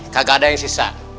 gak ada yang sisa